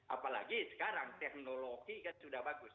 apalagi sekarang teknologi kan sudah bagus